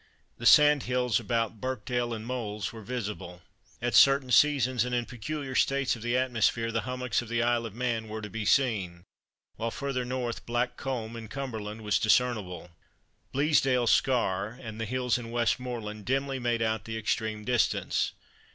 The sand hills about Birkdale and Meols were visible. At certain seasons, and in peculiar states of the atmosphere, the hummocks of the Isle of Man were to be seen, while further north Black Combe, in Cumberland, was discernible. Bleasdale Scar, and the hills in Westmoreland, dimly made out the extreme distance.